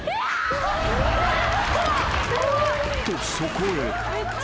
［とそこへ］